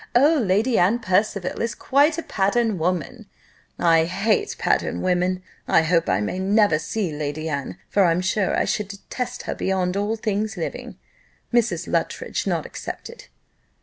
'Oh, Lady Anne Percival is quite a pattern woman!' I hate pattern women. I hope I may never see Lady Anne; for I'm sure I should detest her beyond all things living Mrs. Luttridge not excepted."